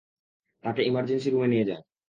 তাকে ইমার্জেন্সি রুমে নিয়ে যান।